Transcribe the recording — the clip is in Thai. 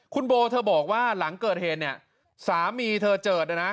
คุณโบเธอบอกว่าหลังเกิดเหตุเนี่ยสามีเธอเจิดนะนะ